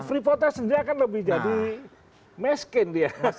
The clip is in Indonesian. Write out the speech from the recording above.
freeportnya sendiri akan lebih jadi miskin dia